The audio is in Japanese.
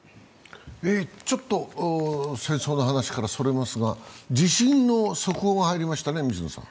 戦争の話から逸れますが、地震の速報が入りましたね。